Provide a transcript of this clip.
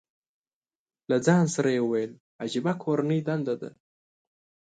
له ځان سره یې وویل، عجیبه کورنۍ دنده ده.